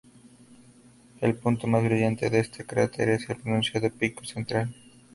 El punto más brillante de este cráter es el pronunciado pico central.